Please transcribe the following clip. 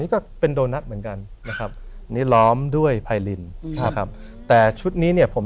นี่ก็เป็นโดนัทเหมือนกันนะครับนี้ร้อมด้วยไผลนแปลทั้งแต่ชุดนี้เนี่ยผม